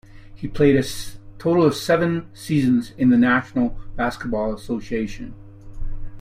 He played a total of seven seasons in the National Basketball Association.